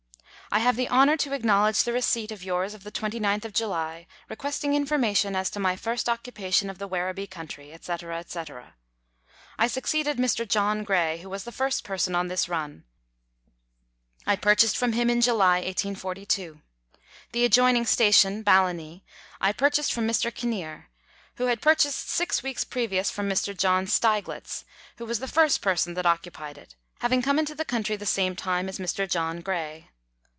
I have the honour to acknowledge the receipt of yours of the 29th of July, requesting information as to my first occupation of the Werribee country, &c., &c. I succeeded Mr. John Gray, who was the first person on this run ; I purchased from him in July 1842. The adjoining station (Ballanee) I purchased from Mr. Kinnear, who had purchased six weeks previous from Mr. John Steiglitz, who was the first person that occupied it, having come into the country the same time as Mr. John Gray.